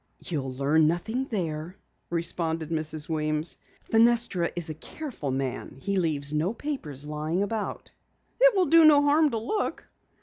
"You'll learn nothing there," responded Mrs. Weems. "Fenestra is a careful man. He leaves no papers lying about." "It will do no harm to look."